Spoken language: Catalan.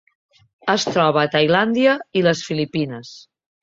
Es troba a Tailàndia i les Filipines.